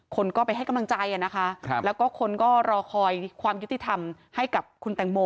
คนก็ไปให้กำลังใจนะคะแล้วก็คนก็รอคอยความยุติธรรมให้กับคุณแตงโม